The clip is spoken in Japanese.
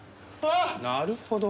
なるほど。